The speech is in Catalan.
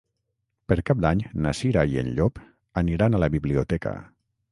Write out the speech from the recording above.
Per Cap d'Any na Cira i en Llop aniran a la biblioteca.